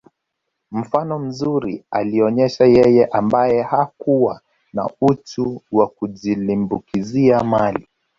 Mfano mzuri alionesha yeye ambae hakuwa na uchu wa kujiliumbikizia mali